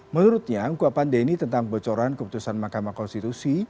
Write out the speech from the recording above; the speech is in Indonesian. menurutnya ukupan denny tentang bocoran keputusan mahkamah konstitusi